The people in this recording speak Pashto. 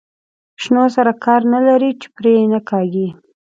شنو سره کار نه لري چې پرې یې نه کاږي.